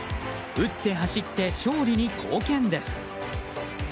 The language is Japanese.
打って走って、勝利に貢献です。